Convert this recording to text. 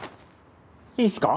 いいんすか？